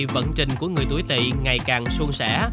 vận trình của người tuổi tị ngày càng xuân xẻ